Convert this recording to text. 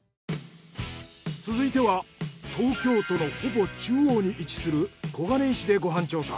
続いては東京都のほぼ中央に位置する小金井市でご飯調査。